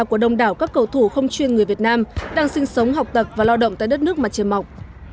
của đông đảo các cầu thủ không chuyên người việt nam đang sinh sống học tập và lao động tại đất nước mặt trên mọc